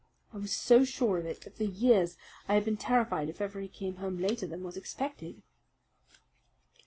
I was so sure of it that for years I have been terrified if ever he came home later than was expected."